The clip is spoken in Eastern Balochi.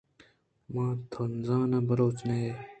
من: تو زاناں بلوچے نہ ئے؟